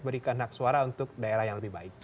berikan hak suara untuk daerah yang lebih baik